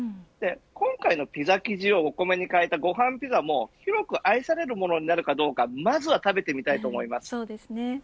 今回のピザ生地をお米に変えたごはんピザも広く愛されるものになるかどうかまずは食べてみたいと思います。